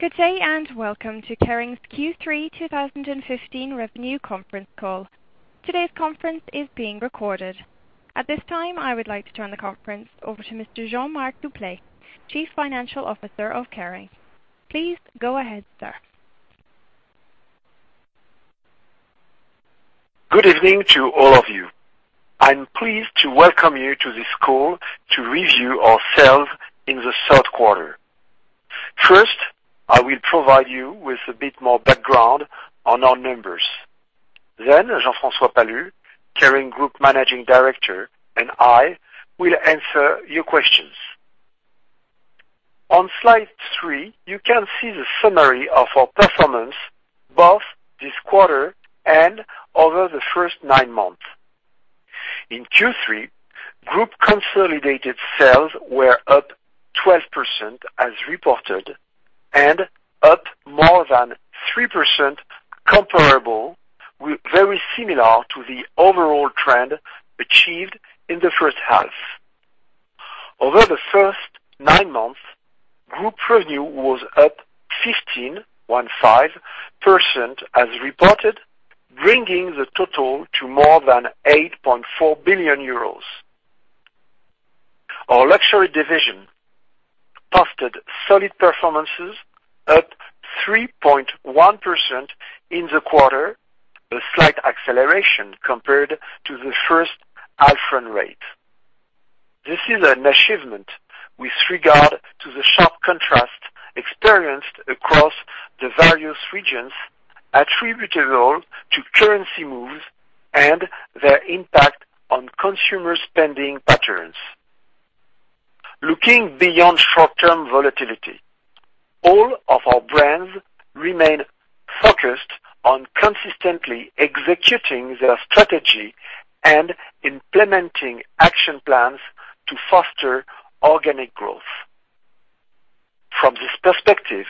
Good day and welcome to Kering's Q3 2015 revenue conference call. Today's conference is being recorded. At this time, I would like to turn the conference over to Mr. Jean-Marc Duplaix, Chief Financial Officer of Kering. Please go ahead, sir. Good evening to all of you. I'm pleased to welcome you to this call to review our sales in the third quarter. First, I will provide you with a bit more background on our numbers, then Jean-François Palus, Kering Group Managing Director, and I will answer your questions. On slide three, you can see the summary of our performance both this quarter and over the first nine months. In Q3, group consolidated sales were up 12% as reported and up more than 3% comparable, very similar to the overall trend achieved in the first half. Over the first nine months, group revenue was up 15% as reported, bringing the total to more than 8.4 billion euros. Our luxury division posted solid performances up 3.1% in the quarter, a slight acceleration compared to the first half run rate. This is an achievement with regard to the sharp contrast experienced across the various regions attributable to currency moves and their impact on consumer spending patterns. Looking beyond short-term volatility, all of our brands remain focused on consistently executing their strategy and implementing action plans to foster organic growth. From this perspective,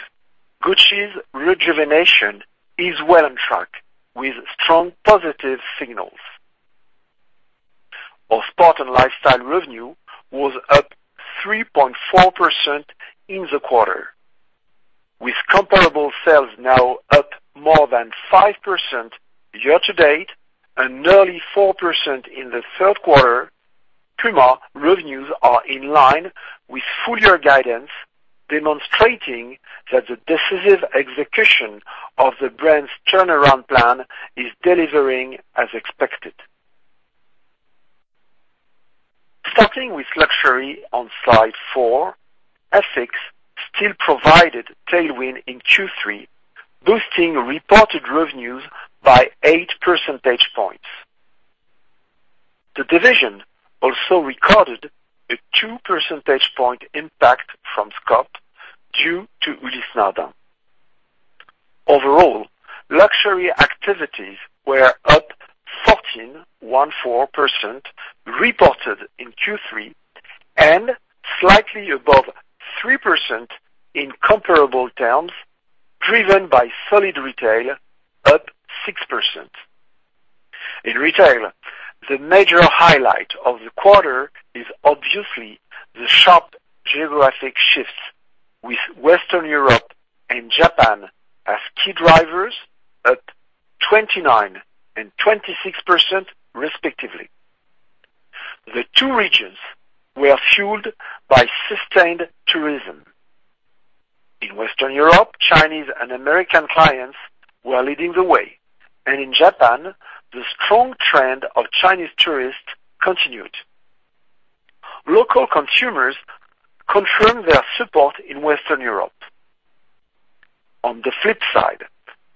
Gucci's rejuvenation is well on track with strong positive signals. Our sport and lifestyle revenue was up 3.4% in the quarter, with comparable sales now up more than 5% year to date and nearly 4% in the third quarter. Puma revenues are in line with full-year guidance, demonstrating that the decisive execution of the brand's turnaround plan is delivering as expected. Starting with luxury on slide four, FX still provided tailwind in Q3, boosting reported revenues by eight percentage points. The division also recorded a two percentage point impact from scope due to Ulysse Nardin. Overall, luxury activities were up 14% reported in Q3 and slightly above 3% in comparable terms, driven by solid retail up 6%. In retail, the major highlight of the quarter is obviously the sharp geographic shifts with Western Europe and Japan as key drivers at 29% and 26% respectively. The two regions were fueled by sustained tourism. In Western Europe, Chinese and American clients were leading the way, and in Japan, the strong trend of Chinese tourists continued. Local consumers confirmed their support in Western Europe. On the flip side,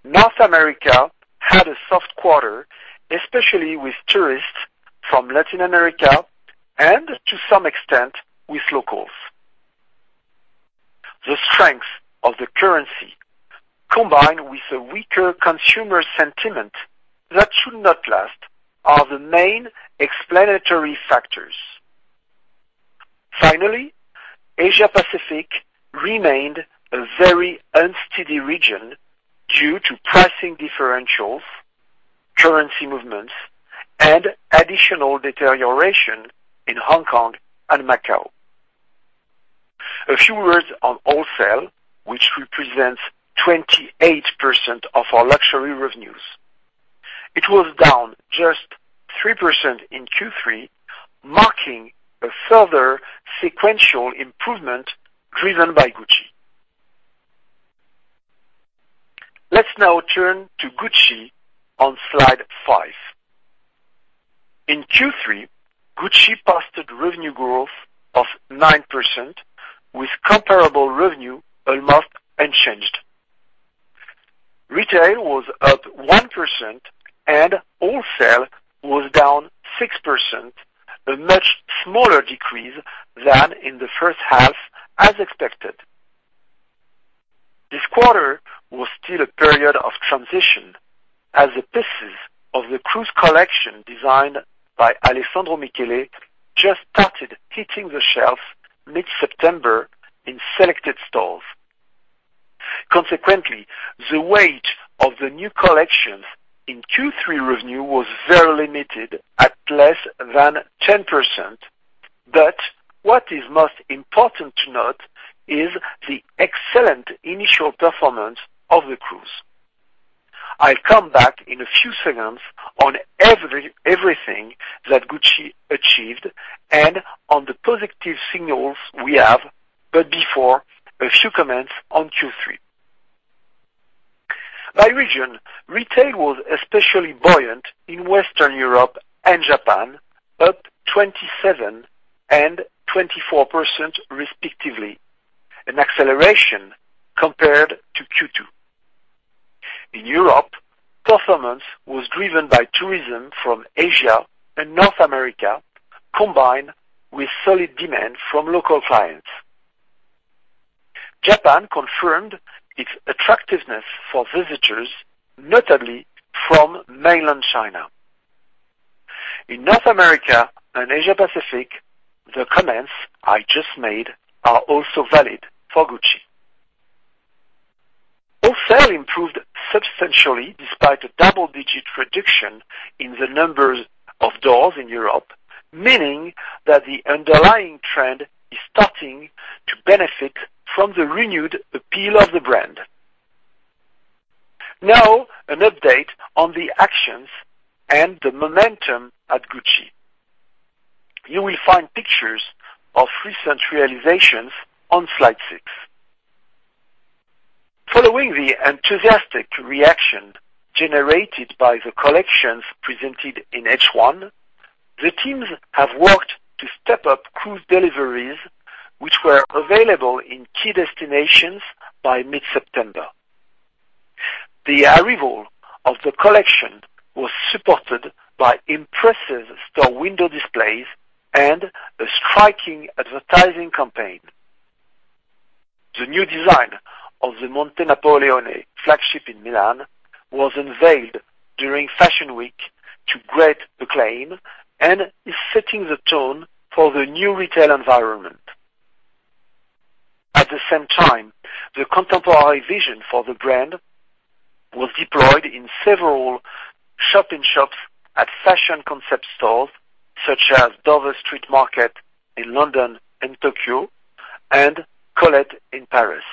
North America had a soft quarter, especially with tourists from Latin America and to some extent with locals. The strength of the currency, combined with a weaker consumer sentiment that should not last, are the main explanatory factors. Finally, Asia-Pacific remained a very unsteady region due to pricing differentials, currency movements, and additional deterioration in Hong Kong and Macau. A few words on wholesale, which represents 28% of our luxury revenues. It was down just 3% in Q3, marking a further sequential improvement driven by Gucci. Let's now turn to Gucci on slide five. In Q3, Gucci posted revenue growth of 9% with comparable revenue almost unchanged. Retail was up 1% and wholesale was down 6%, a much smaller decrease than in the first half, as expected. This quarter was still a period of transition as the pieces of the cruise collection designed by Alessandro Michele just started hitting the shelves mid-September in selected stores. Consequently, the weight of the new collections in Q3 revenue was very limited at less than 10%. What is most important to note is the excellent initial performance of the cruise. I'll come back in a few seconds on everything that Gucci achieved and on the positive signals we have, but before, a few comments on Q3. By region, retail was especially buoyant in Western Europe and Japan, up 27% and 24% respectively, an acceleration compared to Q2. In Europe, performance was driven by tourism from Asia and North America, combined with solid demand from local clients. Japan confirmed its attractiveness for visitors, notably from mainland China. In North America and Asia Pacific, the comments I just made are also valid for Gucci. Also improved substantially despite a double-digit reduction in the numbers of doors in Europe, meaning that the underlying trend is starting to benefit from the renewed appeal of the brand. An update on the actions and the momentum at Gucci. You will find pictures of recent realizations on slide six. Following the enthusiastic reaction generated by the collections presented in H1, the teams have worked to step up cruise deliveries, which were available in key destinations by mid-September. The arrival of the collection was supported by impressive store window displays and a striking advertising campaign. The new design of the Via Monte Napoleone flagship in Milan was unveiled during Fashion Week to great acclaim and is setting the tone for the new retail environment. At the same time, the contemporary vision for the brand was deployed in several shop-in-shops at fashion concept stores such as Dover Street Market in London and Tokyo and Colette in Paris.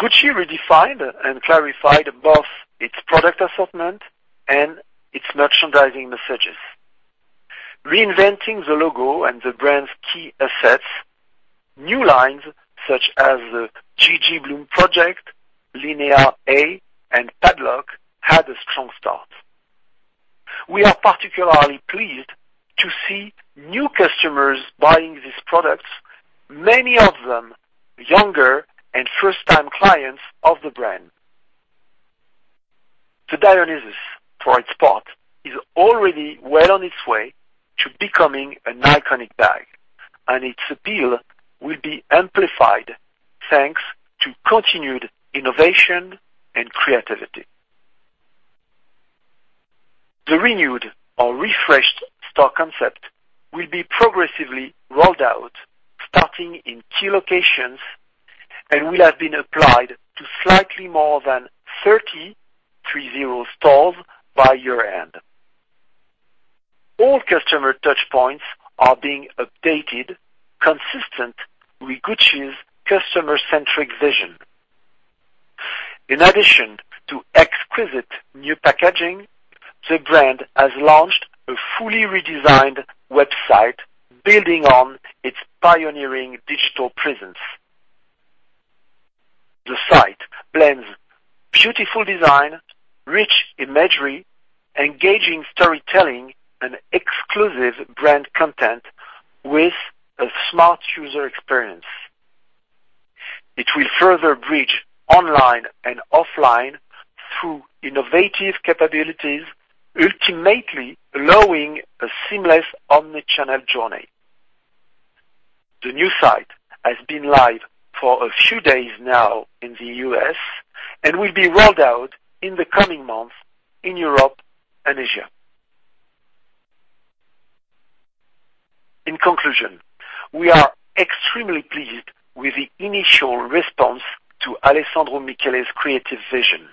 Gucci redefined and clarified both its product assortment and its merchandising messages. Reinventing the logo and the brand's key assets, new lines such as the GG Blooms Project, Linea A, and Padlock had a strong start. We are particularly pleased to see new customers buying these products, many of them younger and first-time clients of the brand. The Dionysus, for its part, is already well on its way to becoming an iconic bag, and its appeal will be amplified, thanks to continued innovation and creativity. The renewed or refreshed store concept will be progressively rolled out starting in key locations and will have been applied to slightly more than 30 stores by year-end. All customer touchpoints are being updated, consistent with Gucci's customer-centric vision. In addition to exquisite new packaging, the brand has launched a fully redesigned website building on its pioneering digital presence. The site blends beautiful design, rich imagery, engaging storytelling, and exclusive brand content with a smart user experience. It will further bridge online and offline through innovative capabilities, ultimately allowing a seamless omni-channel journey. The new site has been live for a few days now in the U.S. and will be rolled out in the coming months in Europe and Asia. In conclusion, we are extremely pleased with the initial response to Alessandro Michele's creative vision.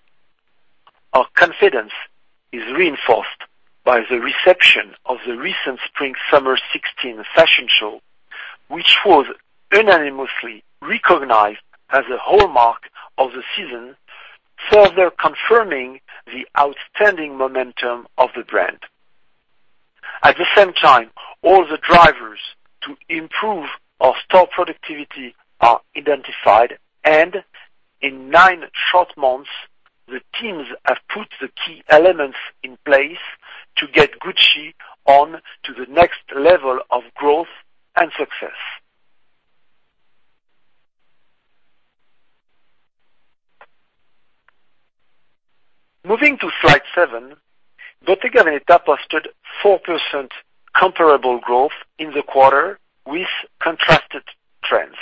Our confidence is reinforced by the reception of the recent Spring-Summer 2016 fashion show, which was unanimously recognized as a hallmark of the season, further confirming the outstanding momentum of the brand. At the same time, all the drivers to improve our store productivity are identified, and in nine short months, the teams have put the key elements in place to get Gucci on to the next level of growth and success. Moving to slide seven, Bottega Veneta posted 4% comparable growth in the quarter with contrasted trends.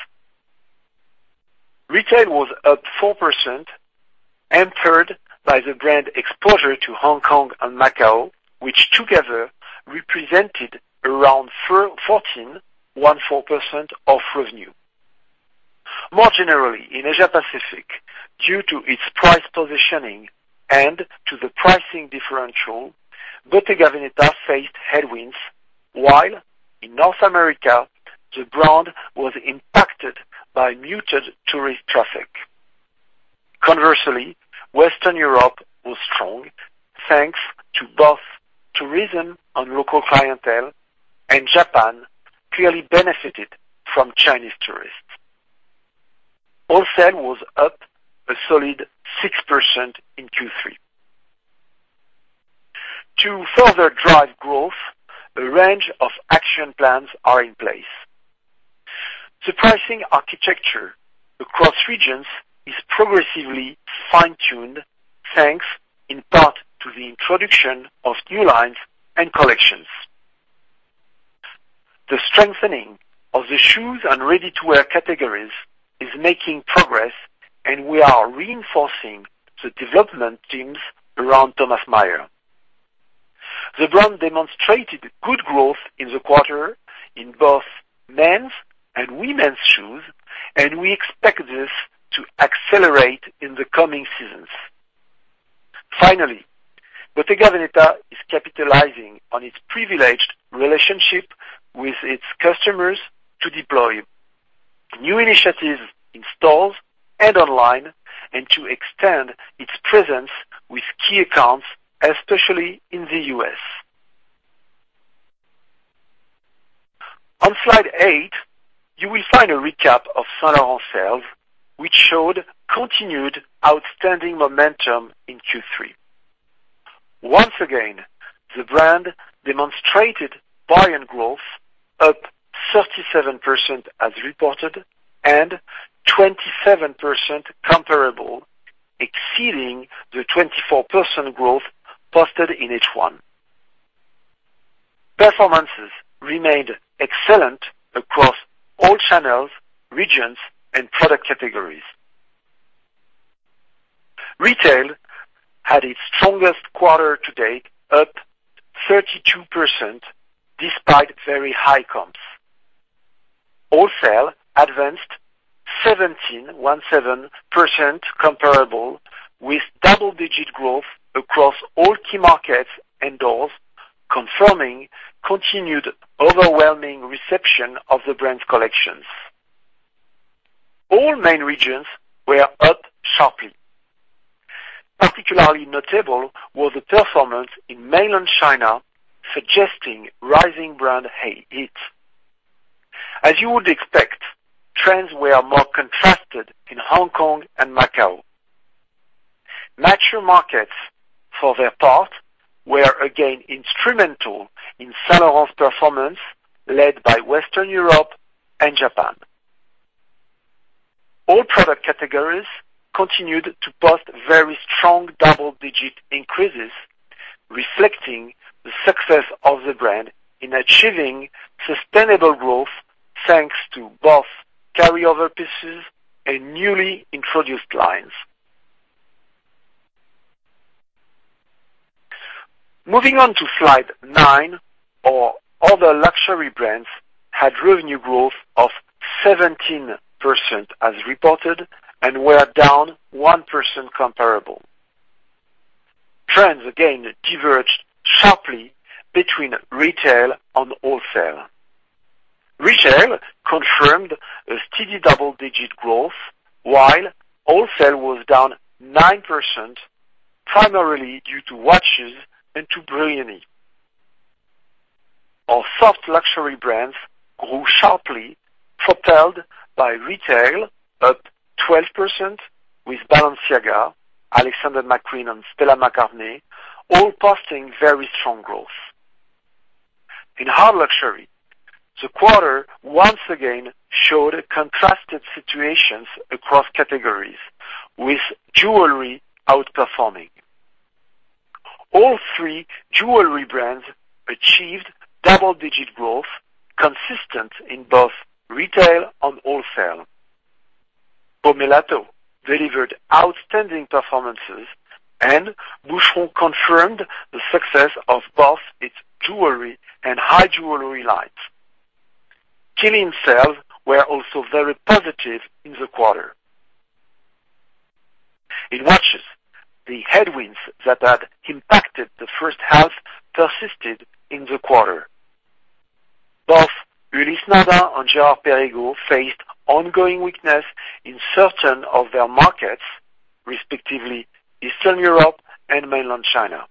Retail was up 4% hindered by the brand exposure to Hong Kong and Macau, which together represented around 14.14% of revenue. More generally, in Asia Pacific, due to its price positioning and to the pricing differential, Bottega Veneta faced headwinds, while in North America, the brand was impacted by muted tourist traffic. Conversely, Western Europe was strong, thanks to both tourism and local clientele, and Japan clearly benefited from Chinese tourists. Wholesale was up a solid 6% in Q3. To further drive growth, a range of action plans are in place. Pricing architecture across regions is progressively fine-tuned, thanks in part to the introduction of new lines and collections. The strengthening of the shoes and ready-to-wear categories is making progress, and we are reinforcing the development teams around Tomas Maier. The brand demonstrated good growth in the quarter in both men's and women's shoes, and we expect this to accelerate in the coming seasons. Finally, Bottega Veneta is capitalizing on its privileged relationship with its customers to deploy new initiatives in stores and online, and to extend its presence with key accounts, especially in the U.S. On slide eight, you will find a recap of Saint Laurent sales, which showed continued outstanding momentum in Q3. Once again, the brand demonstrated underlying growth up 37% as reported, and 27% comparable, exceeding the 24% growth posted in H1. Performances remained excellent across all channels, regions, and product categories. Retail had its strongest quarter to date, up 32%, despite very high comps. Wholesale advanced 17.17% comparable with double-digit growth across all key markets and doors, confirming continued overwhelming reception of the brand's collections. All main regions were up sharply. Particularly notable was the performance in mainland China, suggesting rising brand heat. As you would expect, trends were more contrasted in Hong Kong and Macau. Mature markets, for their part, were again instrumental in Saint Laurent's performance, led by Western Europe and Japan. All product categories continued to post very strong double-digit increases, reflecting the success of the brand in achieving sustainable growth, thanks to both carryover pieces and newly introduced lines. Moving on to Slide nine. Our other luxury brands had revenue growth of 17% as reported, and were down 1% comparable. Trends again diverged sharply between retail and wholesale. Retail confirmed a steady double-digit growth, while wholesale was down 9%, primarily due to watches and to Brioni. Our soft luxury brands grew sharply, propelled by retail up 12% with Balenciaga, Alexander McQueen, and Stella McCartney all posting very strong growth. In hard luxury, the quarter once again showed contrasted situations across categories, with jewelry outperforming. All three jewelry brands achieved double-digit growth consistent in both retail and wholesale. Pomellato delivered outstanding performances, and Boucheron confirmed the success of both its jewelry and high jewelry lines. Qeelin sales were also very positive in the quarter. In watches, the headwinds that had impacted the first half persisted in the quarter. Both Ulysse Nardin and Girard-Perregaux faced ongoing weakness in certain of their markets, respectively Eastern Europe and mainland China.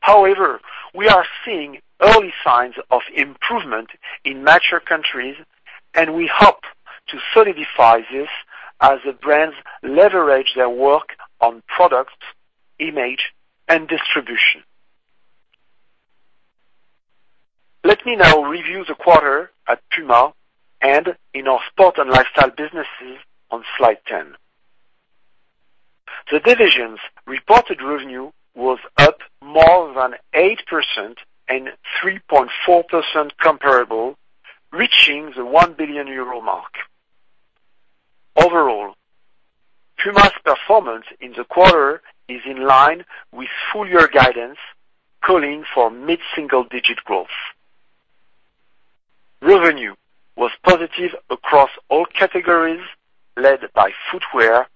However, we are seeing early signs of improvement in mature countries, and we hope to solidify this as the brands leverage their work on products, image, and distribution. Let me now review the quarter at Puma and in our sport and lifestyle businesses on Slide 10. The divisions reported revenue was up more than 8% and 3.4% comparable. Reaching the 1 billion euro mark. Overall, Puma's performance in the quarter is in line with full-year guidance, calling for mid-single digit growth. Revenue was positive across all categories, led by footwear,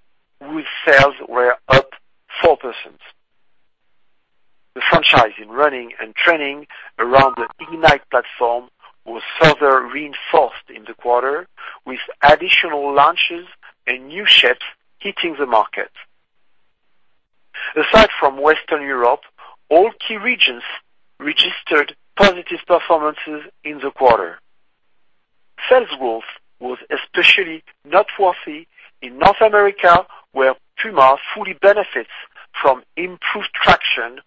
whose sales were up 4%. The franchise in running and training around the Ignite platform was further reinforced in the quarter, with additional launches and new shapes hitting the market. Aside from Western Europe, all key regions registered positive performances in the quarter. Sales growth was especially noteworthy in North America, where Puma fully benefits from improved traction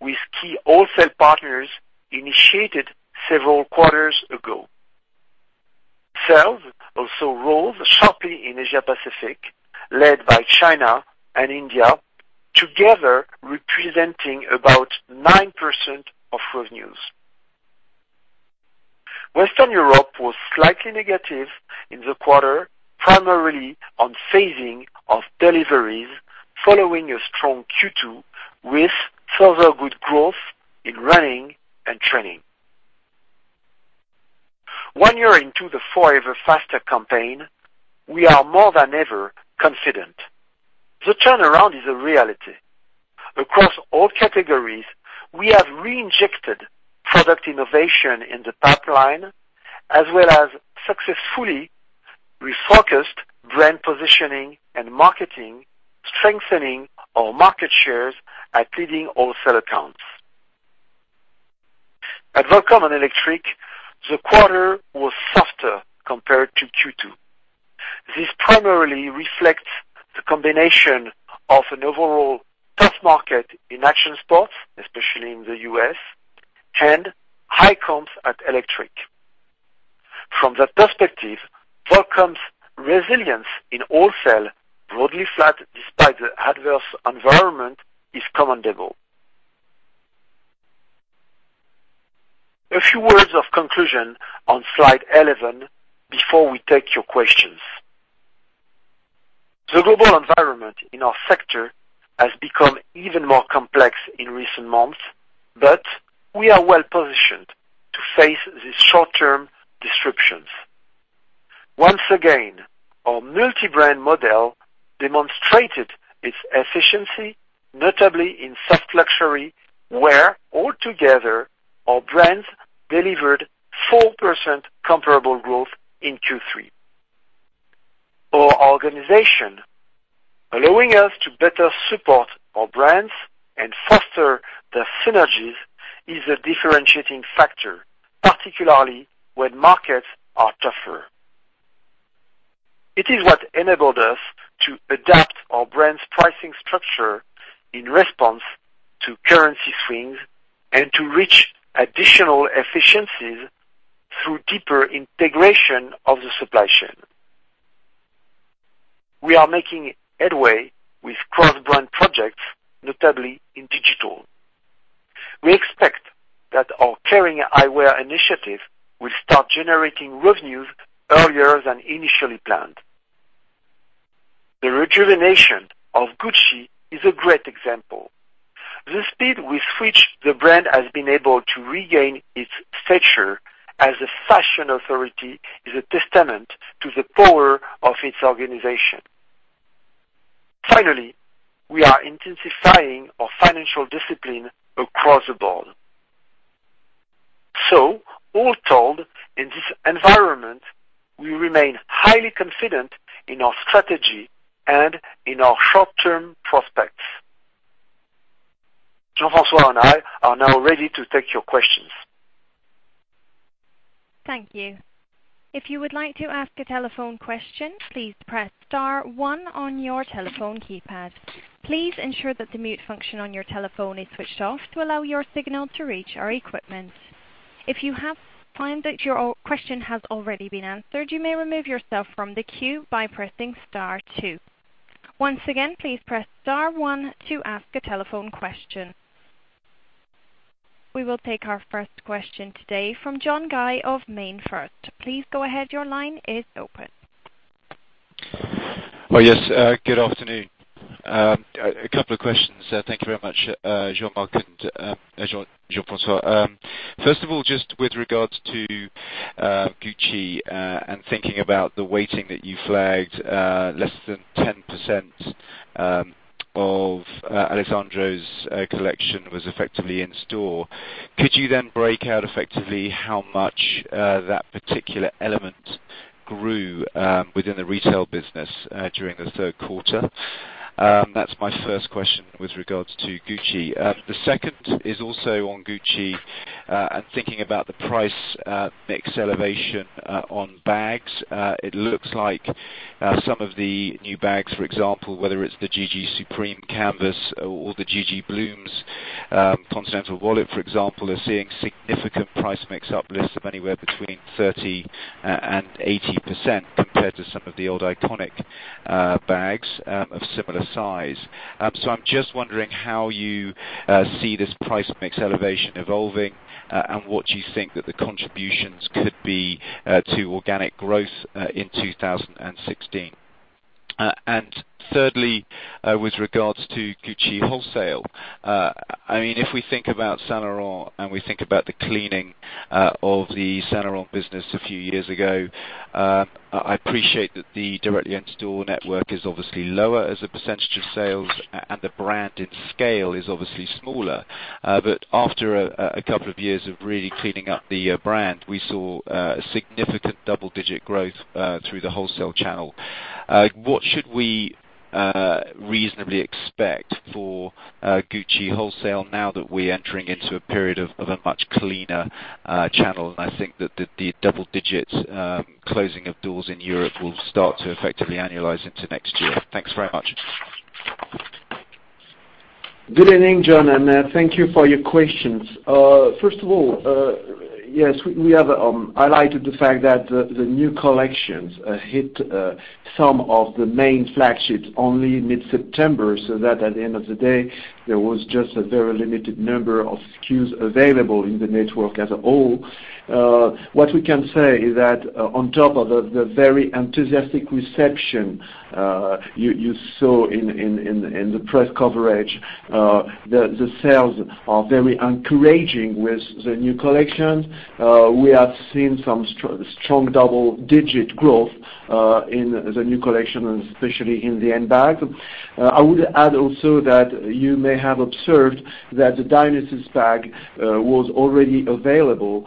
with key wholesale partners initiated several quarters ago. Sales also rose sharply in Asia Pacific, led by China and India, together representing about 9% of revenues. Western Europe was slightly negative in the quarter, primarily on phasing of deliveries following a strong Q2, with further good growth in running and training. One year into the Forever Faster campaign, we are more than ever confident. The turnaround is a reality. Across all categories, we have reinjected product innovation in the pipeline, as well as successfully refocused brand positioning and marketing, strengthening our market shares at leading wholesale accounts. At Volcom and Electric, the quarter was softer compared to Q2. This primarily reflects the combination of an overall tough market in action sports, especially in the U.S., and high comps at Electric. From that perspective, Volcom's resilience in wholesale, broadly flat despite the adverse environment, is commendable. A few words of conclusion on Slide 11 before we take your questions. The global environment in our sector has become even more complex in recent months, but we are well-positioned to face these short-term disruptions. Once again, our multi-brand model demonstrated its efficiency, notably in soft luxury, where altogether, our brands delivered 4% comparable growth in Q3. Our organization, allowing us to better support our brands and foster the synergies, is a differentiating factor, particularly when markets are tougher. It is what enabled us to adapt our brand's pricing structure in response to currency swings and to reach additional efficiencies through deeper integration of the supply chain. We are making headway with cross-brand projects, notably in digital. We expect that our Kering Eyewear initiative will start generating revenues earlier than initially planned. The rejuvenation of Gucci is a great example. The speed with which the brand has been able to regain its stature as a fashion authority is a testament to the power of its organization. Finally, we are intensifying our financial discipline across the board. All told, in this environment, we remain highly confident in our strategy and in our short-term prospects. Jean-François and I are now ready to take your questions. Thank you. If you would like to ask a telephone question, please press star one on your telephone keypad. Please ensure that the mute function on your telephone is switched off to allow your signal to reach our equipment. If you find that your question has already been answered, you may remove yourself from the queue by pressing star two. Once again, please press star one to ask a telephone question. We will take our first question today from John Guy of MainFirst. Please go ahead. Your line is open. Yes, good afternoon. A couple of questions. Thank you very much, Jean-Marc and Jean-François. First of all, just with regards to Gucci and thinking about the weighting that you flagged, less than 10% of Alessandro's collection was effectively in store. Could you then break out effectively how much that particular element grew within the retail business during the third quarter? That's my first question with regards to Gucci. The second is also on Gucci and thinking about the price mix elevation on bags. It looks like some of the new bags, for example, whether it's the GG Supreme Canvas or the GG Blooms Continental Wallet, for example, are seeing significant price mix uplifts of anywhere between 30% and 80% compared to some of the old iconic bags of similar size. I'm just wondering how you see this price mix elevation evolving and what you think that the contributions could be to organic growth in 2016. Thirdly, with regards to Gucci wholesale. If we think about Saint Laurent and we think about the cleaning of the Saint Laurent business a few years ago, I appreciate that the direct-to-store network is obviously lower as a percentage of sales, and the brand scale is obviously smaller. After a couple of years of really cleaning up the brand, we saw significant double-digit growth through the wholesale channel. What should we reasonably expect for Gucci wholesale now that we're entering into a period of a much cleaner channel? I think that the double digits closing of doors in Europe will start to effectively annualize into next year. Thanks very much. Good evening, John, and thank you for your questions. First of all, yes, we have highlighted the fact that the new collections hit some of the main flagships only mid-September, so that at the end of the day, there was just a very limited number of SKUs available in the network as a whole. What we can say is that on top of the very enthusiastic reception you saw in the press coverage, the sales are very encouraging with the new collection. We have seen some strong double-digit growth in the new collection, especially in the end bag. I would add also that you may have observed that the Dionysus bag was already available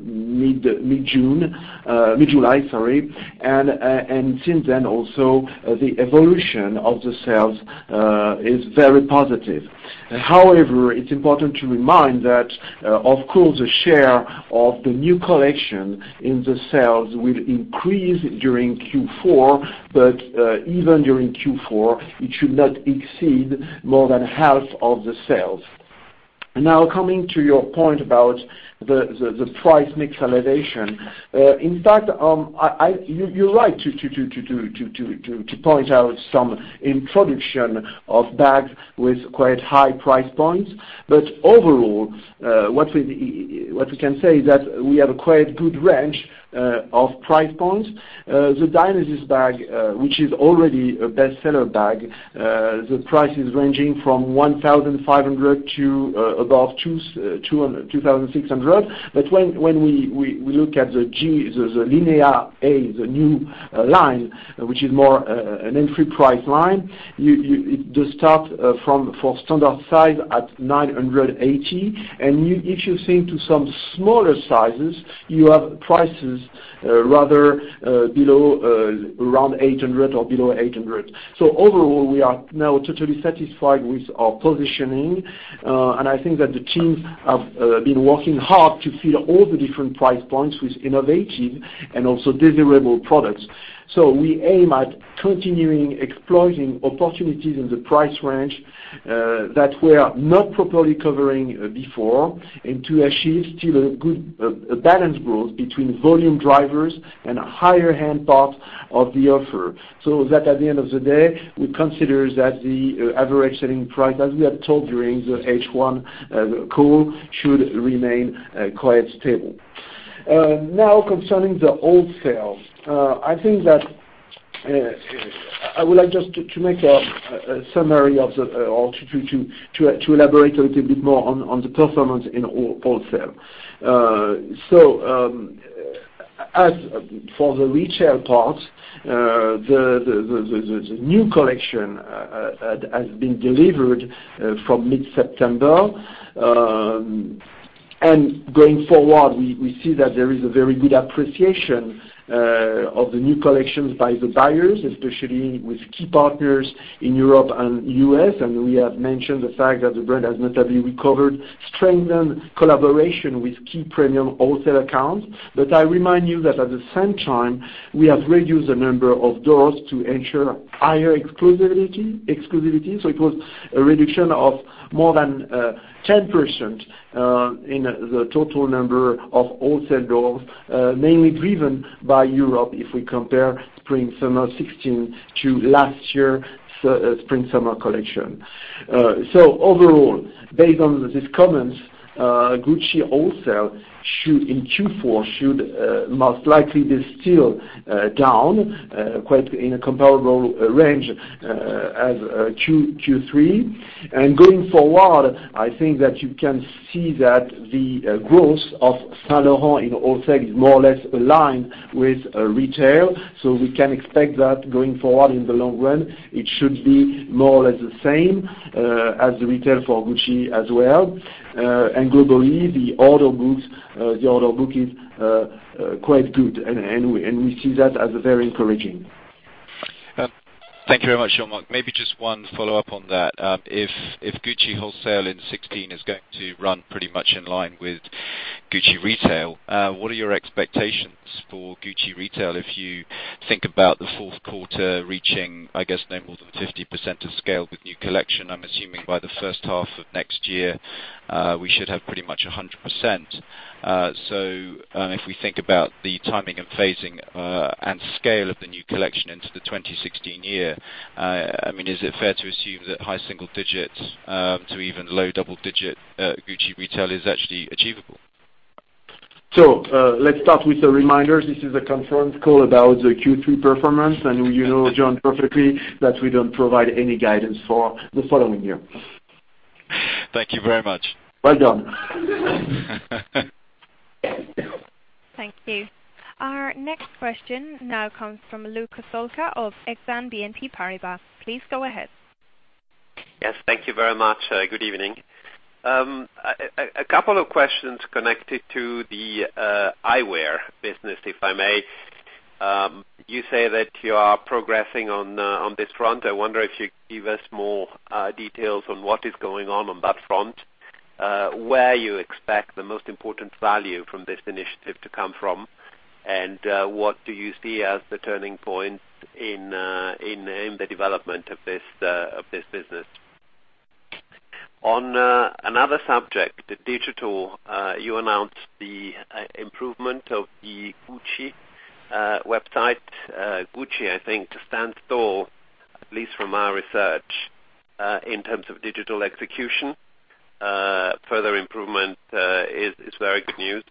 mid-July, and since then also, the evolution of the sales is very positive. It's important to remind that, of course, the share of the new collection in the sales will increase during Q4, but even during Q4, it should not exceed more than half of the sales. Coming to your point about the price mix elevation. In fact, you are right to point out some introduction of bags with quite high price points. Overall, what we can say is that we have a quite good range of price points. The Dionysus bag, which is already a bestseller bag, the price is ranging from 1,500 to above 2,600. When we look at the Linea A, the new line, which is more an entry price line, you start from standard size at 980, and if you think to some smaller sizes, you have prices rather below, around 800 or below 800. Overall, we are now totally satisfied with our positioning, and I think that the teams have been working hard to fill all the different price points with innovative and also desirable products. We aim at continuing exploiting opportunities in the price range that we are not properly covering before, and to achieve still a good balance growth between volume drivers and a higher-end part of the offer. That at the end of the day, we consider that the average selling price, as we have told you in the H1 call, should remain quite stable. Concerning the wholesale. I would like just to make a summary or to elaborate a little bit more on the performance in wholesale. As for the retail part, the new collection has been delivered from mid-September. Going forward, we see that there is a very good appreciation of the new collections by the buyers, especially with key partners in Europe and U.S. We have mentioned the fact that the brand has notably recovered, strengthened collaboration with key premium wholesale accounts. I remind you that at the same time, we have reduced the number of doors to ensure higher exclusivity. It was a reduction of more than 10% in the total number of wholesale doors, mainly driven by Europe if we compare spring-summer 2016 to last year spring-summer collection. Overall, based on these comments, Gucci wholesale in Q4 should most likely be still down, quite in a comparable range as Q3. Going forward, I think that you can see that the growth of Saint Laurent in wholesale is more or less aligned with retail. We can expect that going forward in the long run, it should be more or less the same as the retail for Gucci as well. Globally, the order book is quite good, and we see that as very encouraging. Thank you very much, Jean-Marc. Maybe just one follow-up on that. If Gucci wholesale in 2016 is going to run pretty much in line with Gucci retail, what are your expectations for Gucci retail? If you think about the fourth quarter reaching, I guess, no more than 50% of scale with new collection, I'm assuming by the first half of next year, we should have pretty much 100%. If we think about the timing and phasing and scale of the new collection into the 2016 year, is it fair to assume that high single digits to even low double-digit Gucci retail is actually achievable? Let's start with the reminders. This is a conference call about the Q3 performance, and you know, John, perfectly that we don't provide any guidance for the following year. Thank you very much. Well done. Thank you. Our next question now comes from Luca Solca of Exane BNP Paribas. Please go ahead. Yes, thank you very much. Good evening. A couple of questions connected to the eyewear business, if I may. You say that you are progressing on this front. I wonder if you'd give us more details on what is going on on that front, where you expect the most important value from this initiative to come from, and what do you see as the turning point in the development of this business. On another subject, the digital, you announced the improvement of the Gucci website. Gucci, I think, stands tall, at least from our research, in terms of digital execution. Further improvement is very good news.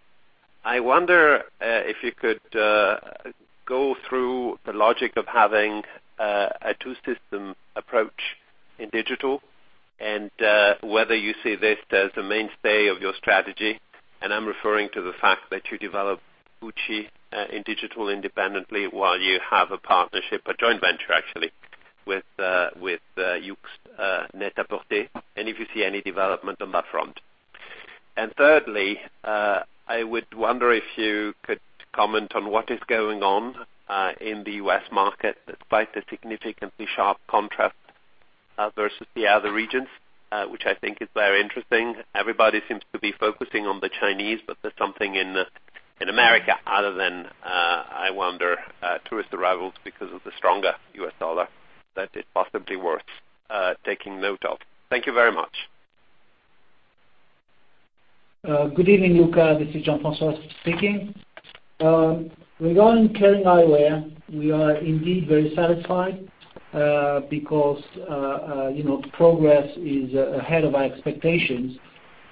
I wonder if you could go through the logic of having a two-system approach in digital and whether you see this as a mainstay of your strategy. I'm referring to the fact that you developed Gucci in digital independently while you have a partnership, a joint venture, actually, with YOOX Net-a-Porter, and if you see any development on that front. Thirdly, I would wonder if you could comment on what is going on in the U.S. market, despite the significantly sharp contrast, versus the other regions, which I think is very interesting. Everybody seems to be focusing on the Chinese, but there's something in America other than, I wonder, tourist arrivals because of the stronger U.S. dollar that is possibly worth taking note of. Thank you very much. Good evening, Luca. This is Jean-François speaking. Regarding Kering Eyewear, we are indeed very satisfied, because progress is ahead of our expectations.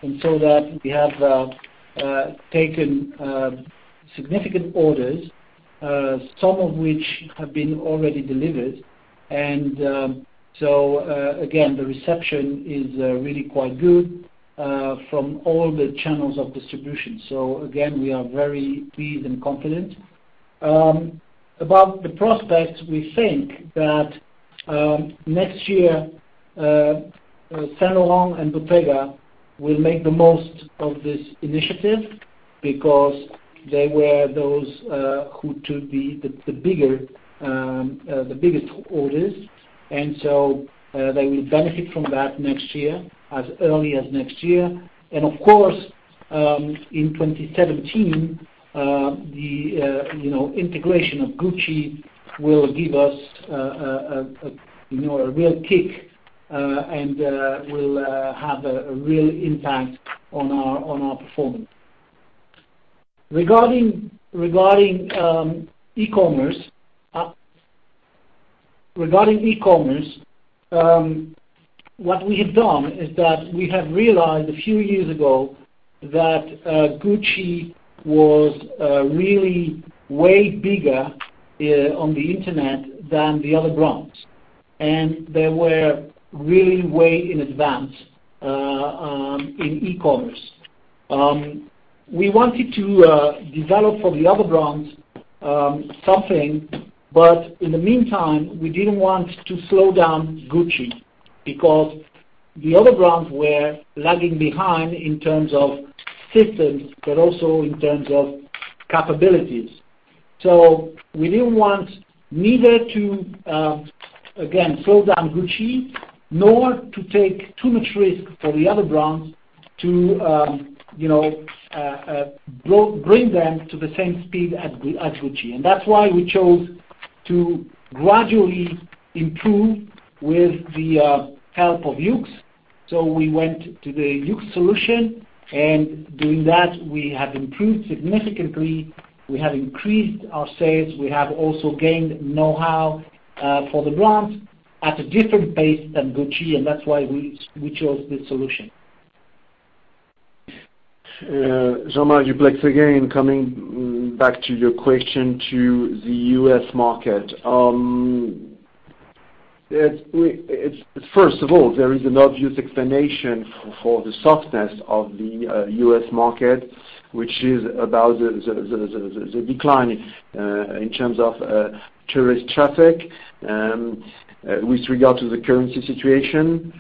We have taken significant orders, some of which have been already delivered. Again, the reception is really quite good from all the channels of distribution. Again, we are very pleased and confident. About the prospects, we think that next year, Saint Laurent and Bottega will make the most of this initiative because they were those who took the biggest orders. They will benefit from that next year, as early as next year. Of course, in 2017, the integration of Gucci will give us a real kick and will have a real impact on our performance. Regarding e-commerce, what we have done is that we have realized a few years ago that Gucci was really way bigger on the Internet than the other brands, and they were really way in advance in e-commerce. We wanted to develop for the other brands something, but in the meantime, we didn't want to slow down Gucci because the other brands were lagging behind in terms of systems, but also in terms of capabilities. We didn't want neither to, again, slow down Gucci nor to take too much risk for the other brands to bring them to the same speed as Gucci. That's why we chose to gradually improve with the help of YOOX. We went to the YOOX solution, and doing that, we have improved significantly. We have increased our sales. We have also gained know-how for the brands at a different pace than Gucci. That's why we chose this solution. Jean-Marc Duplaix again. Coming back to your question to the U.S. market. First of all, there is an obvious explanation for the softness of the U.S. market, which is about the decline in terms of tourist traffic with regard to the currency situation.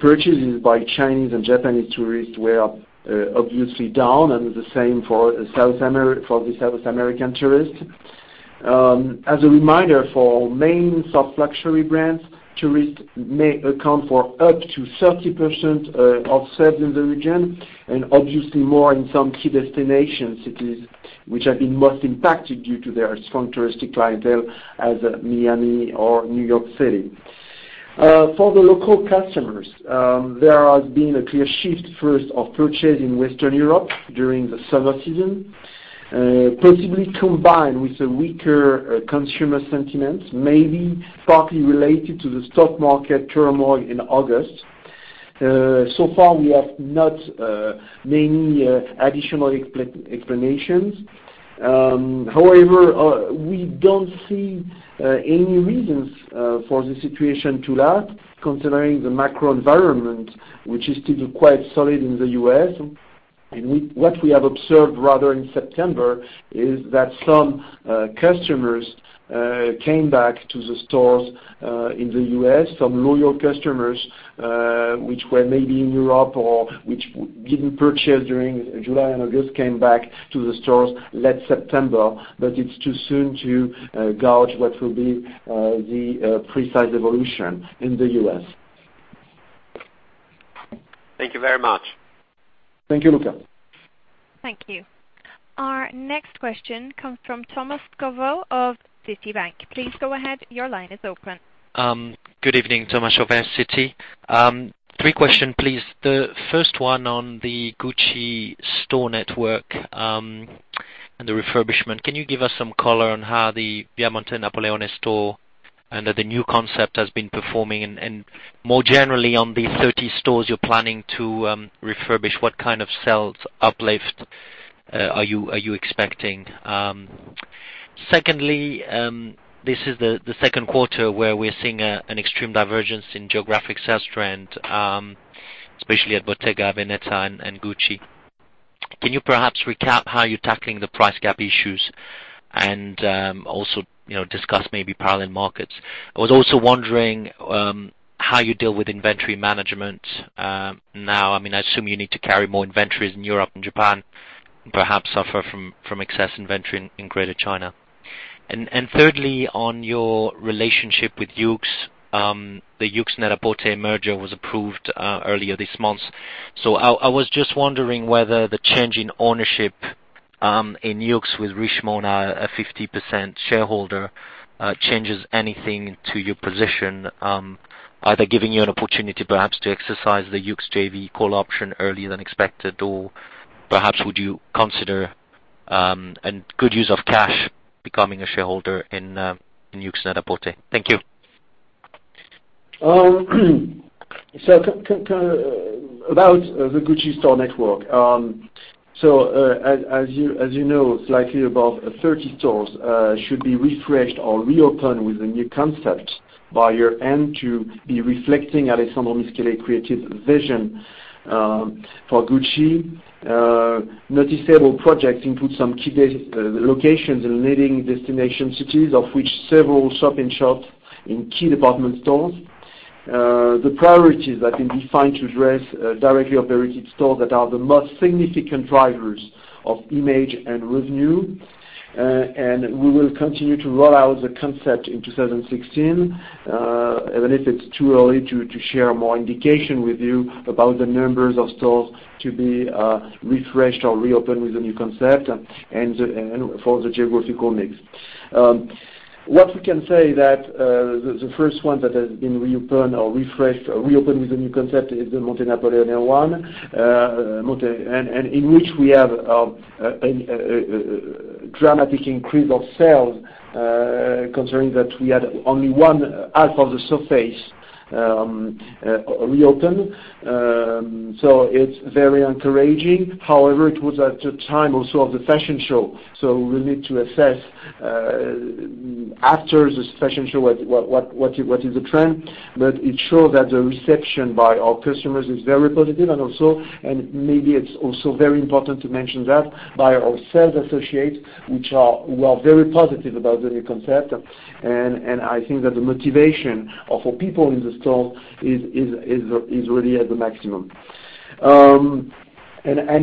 Purchases by Chinese and Japanese tourists were obviously down. The same for the South American tourists. As a reminder for main soft luxury brands, tourists may account for up to 30% of sales in the region, obviously more in some key destination cities which have been most impacted due to their strong touristic clientele as Miami or New York City. For the local customers, there has been a clear shift, first of purchase in Western Europe during the summer season, possibly combined with a weaker consumer sentiment, maybe partly related to the stock market turmoil in August. So far, we have not many additional explanations. However, we don't see any reasons for the situation to last, considering the macro environment, which is still quite solid in the U.S. What we have observed rather in September is that some customers came back to the stores in the U.S., some loyal customers, which were maybe in Europe or which didn't purchase during July and August, came back to the stores late September. It's too soon to gauge what will be the precise evolution in the U.S. Thank you very much. Thank you, Luca. Thank you. Our next question comes from Thomas Chauvet of Citi. Please go ahead. Your line is open. Good evening. Thomas Chauvet, Citi. Three question, please. The first one on the Gucci store network and the refurbishment. Can you give us some color on how the Via Monte Napoleone store under the new concept has been performing? And more generally on the 30 stores you're planning to refurbish, what kind of sales uplift are you expecting? Secondly, this is the second quarter where we're seeing an extreme divergence in geographic sales trend, especially at Bottega Veneta and Gucci. Can you perhaps recap how you're tackling the price gap issues and also discuss maybe parallel markets? I was also wondering how you deal with inventory management now. I assume you need to carry more inventories in Europe and Japan, perhaps suffer from excess inventory in Greater China. And thirdly, on your relationship with YOOX. The YOOX Net-a-Porter merger was approved earlier this month. I was just wondering whether the change in ownership in YOOX with Richemont, a 50% shareholder, changes anything to your position, either giving you an opportunity perhaps to exercise the YOOX JV call option earlier than expected, or perhaps would you consider a good use of cash becoming a shareholder in YOOX Net-a-Porter? Thank you. About the Gucci store network. As you know, slightly above 30 stores should be refreshed or reopened with a new concept by year-end to be reflecting Alessandro Michele creative vision for Gucci. Noticeable projects include some key locations in leading destination cities, of which several shop-in-shops in key department stores. The priorities have been defined to address directly operated stores that are the most significant drivers of image and revenue. We will continue to roll out the concept in 2016. Even if it's too early to share more indication with you about the numbers of stores to be refreshed or reopened with a new concept and for the geographical mix. What we can say is that the first one that has been reopened or refreshed, reopened with a new concept is the Monte Napoleone one, in which we have a dramatic increase of sales, considering that we had only one half of the surface reopen. It's very encouraging. However, it was at the time also of the fashion show. We need to assess after this fashion show what is the trend. It shows that the reception by our customers is very positive, and maybe it's also very important to mention that by our sales associates, who are very positive about the new concept. I think that the motivation of our people in the store is really at the maximum.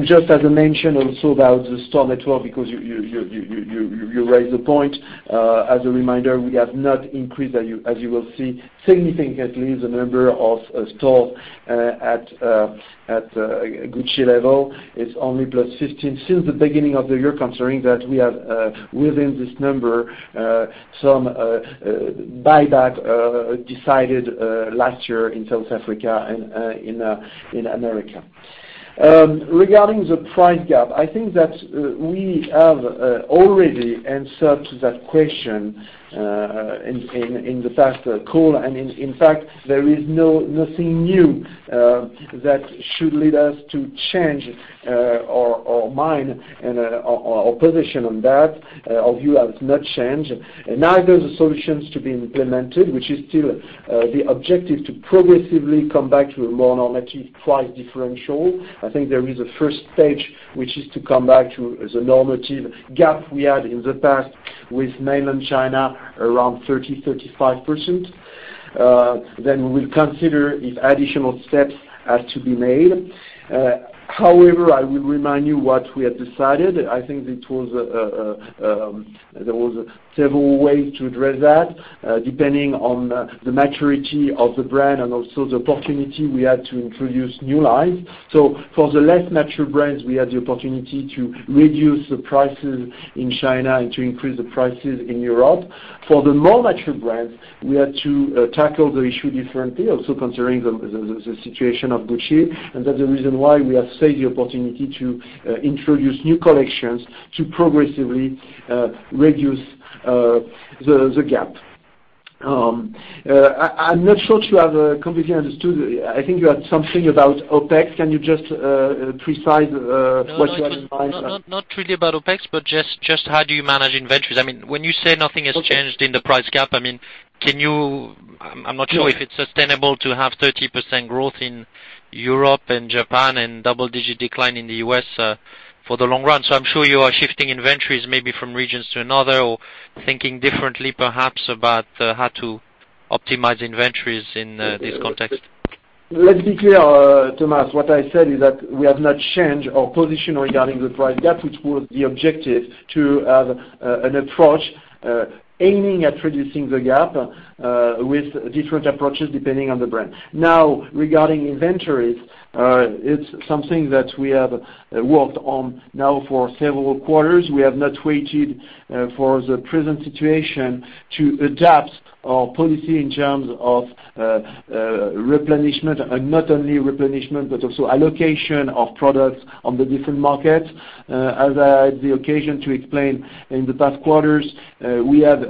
Just as a mention also about the store network, because you raised the point. As a reminder, we have not increased, as you will see, significantly the number of stores at Gucci level. It's only +15 since the beginning of the year, considering that we have within this number some buyback decided last year in South Africa and in America. Regarding the price gap, I think that we have already answered that question in the past call. In fact, there is nothing new that should lead us to change our mind and our position on that. Our view has not changed. Neither the solutions to be implemented, which is still the objective to progressively come back to a more normative price differential. I think there is a first stage, which is to come back to the normative gap we had in the past with Mainland China, around 30%-35%. We will consider if additional steps have to be made. However, I will remind you what we have decided. I think there was several ways to address that, depending on the maturity of the brand and also the opportunity we had to introduce new lines. For the less mature brands, we had the opportunity to reduce the prices in China and to increase the prices in Europe. For the more mature brands, we had to tackle the issue differently. Also considering the situation of Gucci, and that's the reason why we have saved the opportunity to introduce new collections to progressively reduce the gap. I'm not sure to have completely understood. I think you had something about OpEx. Can you just precise what you have in mind? No, not really about OpEx, but just how do you manage inventories? When you say nothing has changed in the price gap, I'm not sure if it's sustainable to have 30% growth in Europe and Japan and double-digit decline in the U.S. for the long run. I'm sure you are shifting inventories maybe from regions to another or thinking differently perhaps about how to optimize inventories in this context. Let's be clear, Thomas. What I said is that we have not changed our position regarding the price gap, which was the objective to have an approach aiming at reducing the gap with different approaches depending on the brand. Now, regarding inventories, it's something that we have worked on now for several quarters. We have not waited for the present situation to adapt our policy in terms of replenishment, and not only replenishment but also allocation of products on the different markets. As I had the occasion to explain in the past quarters, we have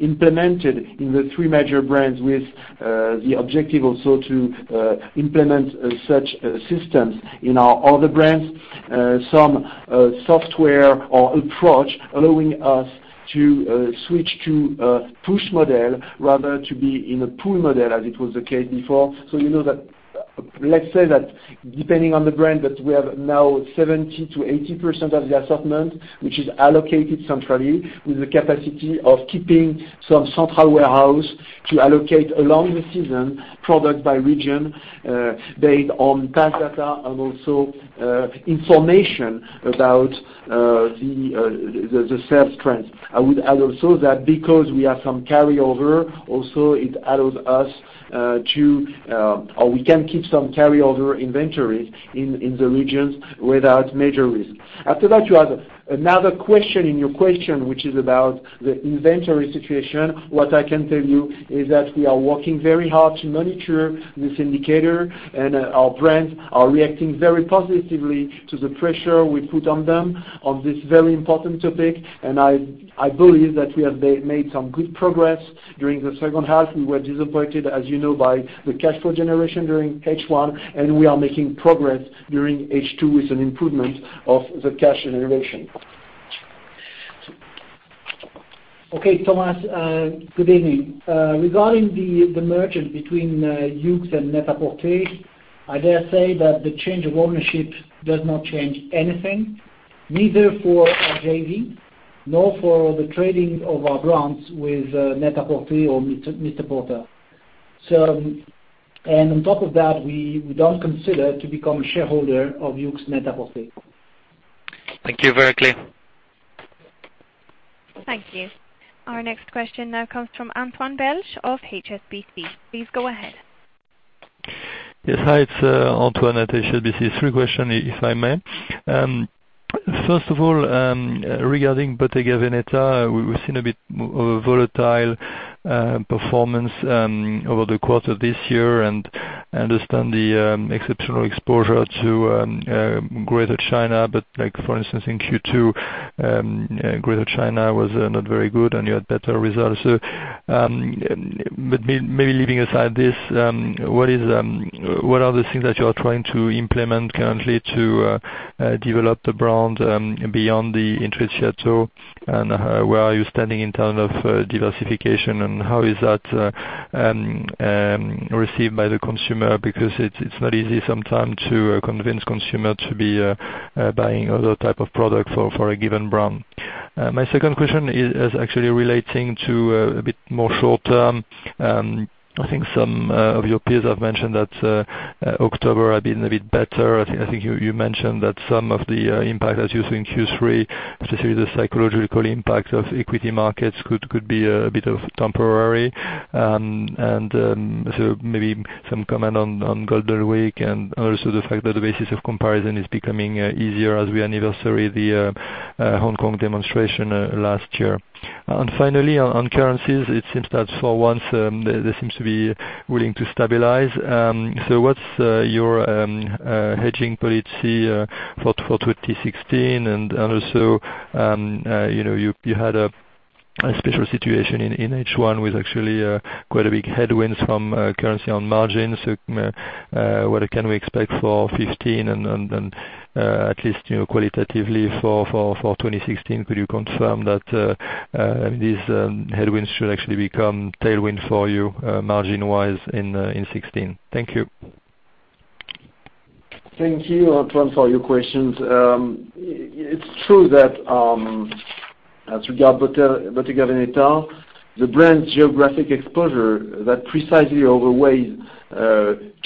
implemented in the three major brands with the objective also to implement such systems in our other brands. Some software or approach allowing us to switch to a push model rather to be in a pull model as it was the case before. Let's say that depending on the brand, that we have now 70% to 80% of the assortment, which is allocated centrally with the capacity of keeping some central warehouse to allocate along the season, product by region, based on past data and also information about the sales trends. I would add also that because we have some carryover, or we can keep some carryover inventories in the regions without major risk. After that, you have another question in your question, which is about the inventory situation. What I can tell you is that we are working very hard to monitor this indicator, and our brands are reacting very positively to the pressure we put on them on this very important topic. I believe that we have made some good progress during the second half. We were disappointed, as you know, by the cash flow generation during H1, and we are making progress during H2 with an improvement of the cash generation. Okay, Thomas, good evening. Regarding the merger between YOOX and Net-a-Porter, I dare say that the change of ownership does not change anything, neither for our JV, nor for the trading of our brands with Net-a-Porter or Mr Porter. On top of that, we don't consider to become a shareholder of YOOX Net-a-Porter. Thank you. Very clear. Thank you. Our next question now comes from Antoine Belge of HSBC. Please go ahead. Yes. Hi, it's Antoine at HSBC. Three question, if I may. First of all, regarding Bottega Veneta, we've seen a bit of a volatile performance over the quarter this year, and I understand the exceptional exposure to Greater China. Like, for instance, in Q2, Greater China was not very good, and you had better results. Maybe leaving aside this, what are the things that you are trying to implement currently to develop the brand beyond the Intrecciato, and where are you standing in terms of diversification, and how is that received by the consumer? It's not easy sometimes to convince consumer to be buying other type of product for a given brand. My second question is actually relating to a bit more short-term. I think some of your peers have mentioned that October had been a bit better. I think you mentioned that some of the impact as you see in Q3, especially the psychological impact of equity markets, could be a bit of temporary. Maybe some comment on Golden Week and also the fact that the basis of comparison is becoming easier as we anniversary the Hong Kong demonstration last year. Finally, on currencies, it seems that for once they seem to be willing to stabilize. What's your hedging policy for 2016? Also, you had a special situation in H1 with actually quite a big headwinds from currency on margins. What can we expect for 2015 and at least qualitatively for 2016? Could you confirm that these headwinds should actually become tailwind for you margin-wise in 2016? Thank you. Thank you, Antoine, for your questions. It's true that as regard Bottega Veneta, the brand geographic exposure that precisely overweighs